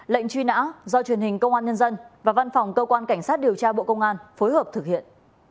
lệnh truy nã do truyền hình công an nhân dân và văn phòng cơ quan cảnh sát điều tra bộ công an phối hợp thực hiện